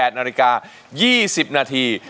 ๘นาฬิกา๒๐นาที